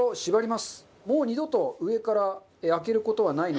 もう二度と上から開ける事はないので。